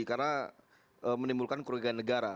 karena menimbulkan kurgan negara